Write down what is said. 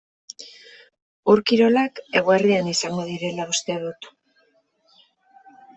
Ur-kirolak eguerdian izango direla uste dut.